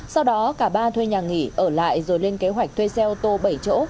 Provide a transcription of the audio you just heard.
sau đó cả ba thuê nhà nghỉ ở lại rồi lên kế hoạch thuê xe ô tô bảy chỗ